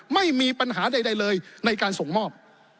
ไม่มีปัญหาใดเลยในการส่งมอบ